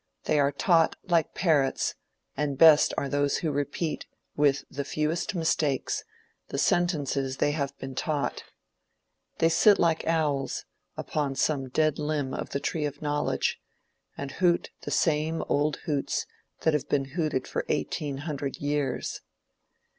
They are taught like parrots, and the best are those who repeat, with the fewest mistakes, the sentences they have been taught. They sit like owls upon some dead limb of the tree of knowledge, and hoot the same old hoots that have been hooted for eighteen hundred years.